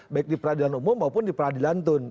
baik di peradilan umum maupun di peradilan tun